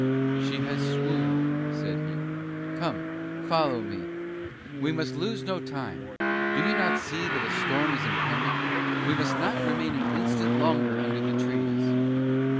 "She has swooned," said he. "Come, follow me. We must lose no time; do you not see that a storm is impending? We must not remain an instant longer under the trees."